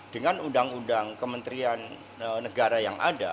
dengan undang undang kementerian negara yang ada